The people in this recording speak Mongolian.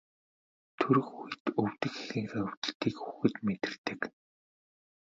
Төрөх үед өвдөх эхийнхээ өвдөлтийг хүүхэд мэдэрдэг.